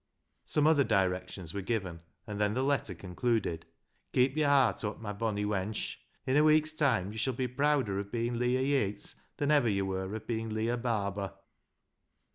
Some other directions were given, and then the letter concluded —" Keep your heart up, my bonny wench. In a week's time you shall be prouder of being Leah Yates than ever you were of being Leah Barber."